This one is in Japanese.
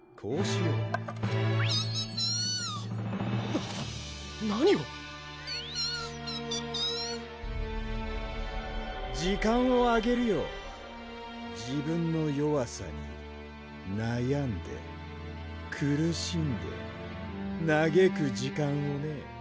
何をピピーピピピー時間をあげるよ自分の弱さになやんで苦しんでなげく時間をね